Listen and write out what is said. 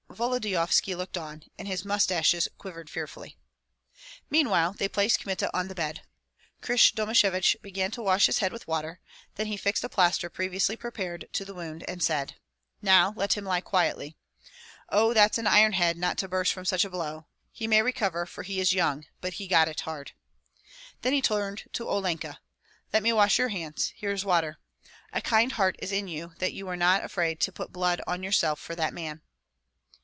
Volodyovski looked on, and his mustaches quivered fearfully. Meanwhile they placed Kmita on the bed. Krysh Domashevich began to wash his head with water; then he fixed a plaster previously prepared to the wound, and said, "Now let him lie quietly. Oh, that's an iron head not to burst from such a blow! He may recover, for he is young. But he got it hard." Then he turned to Olenka: "Let me wash your hands, here is water. A kind heart is in you that you were not afraid to put blood on yourself for that man."